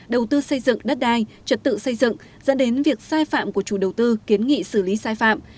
đầu tư xây dựng đất đai trật tự xây dựng dẫn đến việc sai phạm của chủ đầu tư kiến nghị xử lý sai phạm